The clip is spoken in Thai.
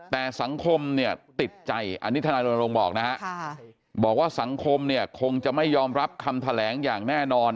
แต่สังคมเนี่ยติดใจอันนี้ทนายรณรงค์บอกนะฮะบอกว่าสังคมเนี่ยคงจะไม่ยอมรับคำแถลงอย่างแน่นอน